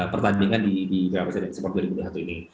pertandingan di pprs nainsport dua ribu dua puluh satu ini